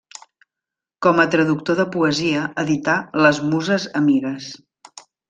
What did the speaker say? Com a traductor de poesia edità Les Muses amigues.